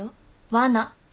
わな。